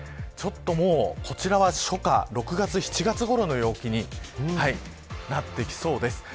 こちらは初夏６月、７月ごろの陽気になってきそうです。